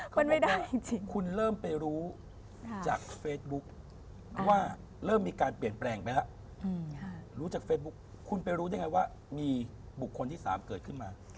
คุณไม่ได้จริงคุณเริ่มไปรู้จากเฟซบุ๊คว่าเริ่มมีการเปลี่ยนแปลงไปแล้วรู้จากเฟซบุ๊คคุณไปรู้ได้ไงว่ามีบุคคลที่๓เกิดขึ้นมา